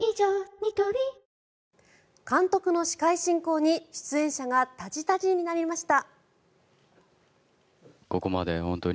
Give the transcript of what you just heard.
ニトリ監督の司会進行に出演者がたじたじになりました。